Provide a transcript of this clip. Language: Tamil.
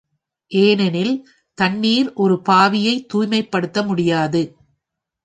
ஏனெனில் தண்ணிர் ஒரு பாவியைத் தூய்மைப்படுத்த முடியாது.